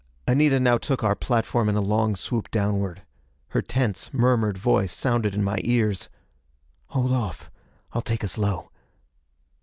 Anita now took our platform in a long swoop downward. Her tense, murmured voice sounded in my ears: "Hold off: I'll take us low."